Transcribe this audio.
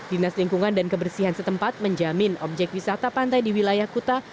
dinas lingkungan dan kebersihan setempat menjamin objek wisata pantai di wilayah kuta